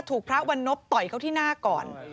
ถูกพระวันนบต่อยเขาที่หน้าก่อน